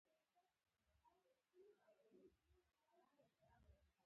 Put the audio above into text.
دونه پيسې به وګټو چې په خيال کې دې نه ګرځي.